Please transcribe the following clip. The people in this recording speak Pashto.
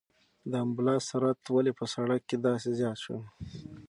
د امبولانس سرعت ولې په سړک کې داسې زیات شو؟